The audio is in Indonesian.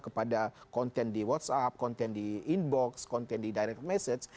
kepada konten di whatsapp konten di inbox konten di direct message